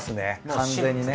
完全にね。